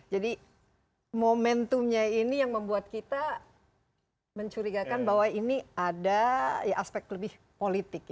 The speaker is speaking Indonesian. jadi momentumnya ini yang membuat kita mencurigakan bahwa ini ada aspek lebih politik